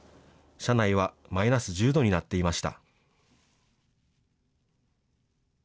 車内はマイナス１０度になっていました。